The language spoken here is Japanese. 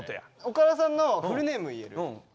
岡田さんのフルネーム言える？